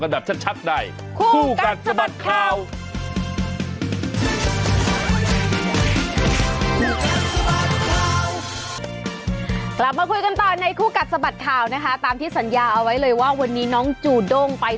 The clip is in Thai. ลูกคุณเป็นอย่างนี้ไหม